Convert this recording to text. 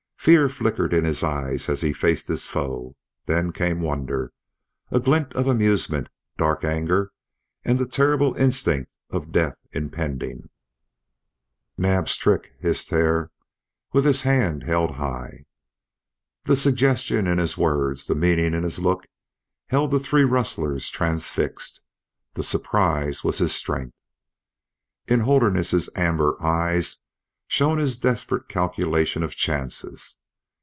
Fear flickered in his eyes as he faced his foe; then came wonder, a glint of amusement, dark anger, and the terrible instinct of death impending. "Naab's trick!" hissed Hare, with his hand held high. The suggestion in his words, the meaning in his look, held the three rustlers transfixed. The surprise was his strength. In Holderness's amber eyes shone his desperate calculation of chances.